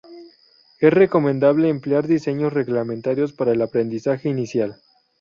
Es recomendable emplear diseños reglamentarios para el aprendizaje inicial.